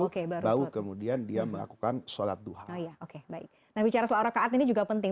oke baru lalu kemudian dia melakukan sholat duha nah bicara soal rokaat ini juga penting